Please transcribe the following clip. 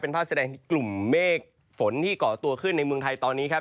เป็นภาพแสดงกลุ่มเมฆฝนที่เกาะตัวขึ้นในเมืองไทยตอนนี้ครับ